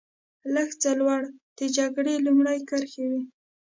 لږ څه لوړ د جګړې لومړۍ کرښې وې.